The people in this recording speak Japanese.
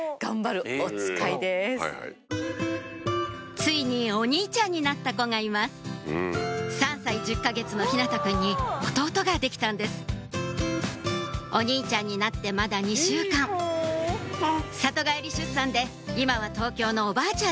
ついにお兄ちゃんになった子がいます弟ができたんですお兄ちゃんになってまだ２週間里帰り出産で今は東京のおばあちゃん